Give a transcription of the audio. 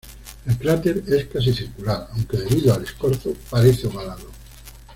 El cráter es casi circular, aunque debido al escorzo parece ovalado.